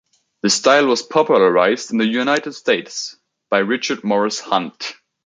The style was popularized in the United States by Richard Morris Hunt.